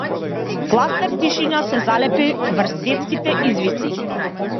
Фластер тишина се залепи врз детските извици.